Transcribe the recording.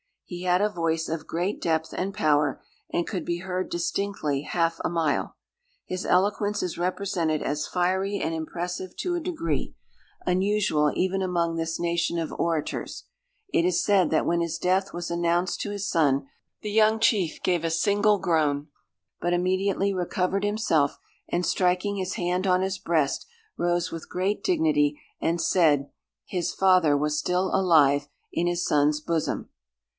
He had a voice of great depth and power, and could be heard distinctly half a mile. His eloquence is represented as fiery and impressive to a degree, unusual even among this nation of orators. It is said, that when his death was announced to his son, the young chief gave a single groan; but immediately recovered himself, and striking his hand on his breast, rose with great dignity and said, his father was still alive in his son's bosom.